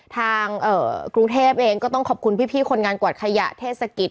ทางกรุงเทพเองก็ต้องขอบคุณพี่คนงานกวาดขยะเทศกิจ